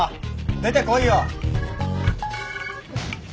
出てこいよ！